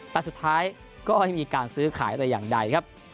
แต่สุดท้ายก็ยังมีการซื้อขายตัวอย่างใด